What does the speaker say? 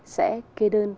sẽ kê đơn